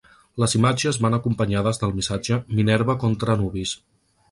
Les imatges van acompanyades del missatge ‘Minerva contra Anubis’.